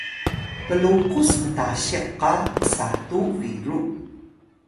mlukus mtasiq qa psatu biru